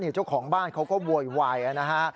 เจ้าของบ้านเขาก็โวยวายนะฮะ